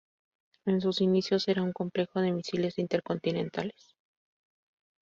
En sus inicios, era un complejo de misiles intercontinentales.